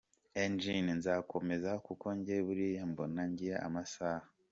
Eugene: “ Nzakomeza, kuko njye buriya mbona ngira amashaba.